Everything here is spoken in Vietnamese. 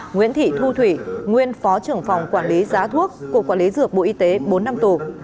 nguyễn thị thu thủy nguyên phó trưởng phòng quản lý giá thuốc cục quản lý dược bộ y tế bốn năm tù